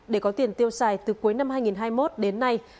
để có tiền tiêu xài từ cuối năm hai nghìn hai mươi một đến nay